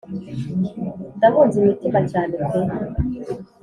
ndabunza imitima cyane pe